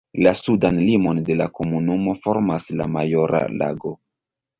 La sudan limon de la komunumo formas la Majora Lago.